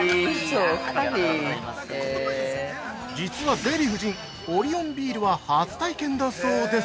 ◆実はデヴィ夫人、オリオンビールは初体験だそうです！